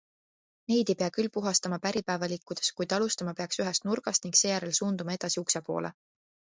Neid ei pea küll puhastama päripäeva liikudes, kuid alustama peaks ühest nurgast ning seejärel suunduma edasi ukse poole.